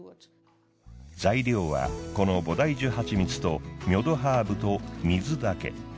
材料はこのボダイジュ蜂蜜とミョドハーブと水だけ。